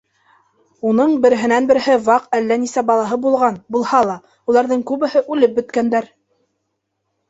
Уның береһенән-береһе ваҡ әллә нисә балаһы булған булһа ла, уларҙың күбеһе үлеп бөткәндәр.